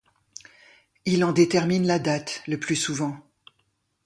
Il en détermine la date le plus souvent.